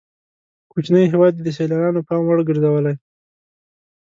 کوچنی هېواد یې د سیلانیانو پام وړ ګرځولی.